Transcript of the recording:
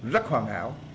rất hoàn hảo